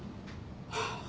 ハァ。